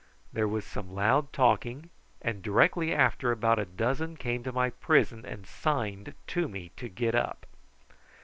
There was some loud talking, and directly after about a dozen came to my prison and signed to me to get up.